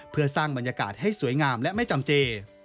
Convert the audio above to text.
เพื่อสร้างบรรยากาศให้สวยงามและไม่จำเจ